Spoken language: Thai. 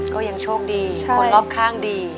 ก็ยังโชคดีคนรอบข้างดี